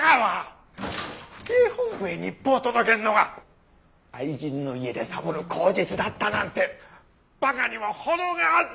府警本部へ日報届けんのが愛人の家でサボる口実だったなんて馬鹿にもほどが。